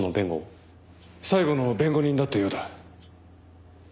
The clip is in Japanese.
最後の弁護人だったようだ。